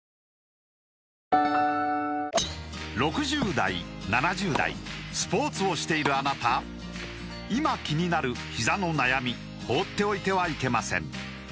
６０代７０代スポーツをしているあなた今気になるひざの悩み放っておいてはいけません